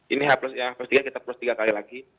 ini hape plus yang ke tiga kita hape plus tiga kali lagi